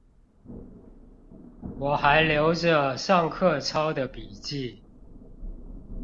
我還留著上課抄的筆記